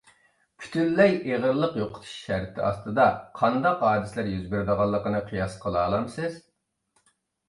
پۈتۈنلەي ئېغىرلىق يوقىتىش شەرتى ئاستىدا قانداق ھادىسىلەر يۈز بېرىدىغانلىقىنى قىياس قىلالامسىز؟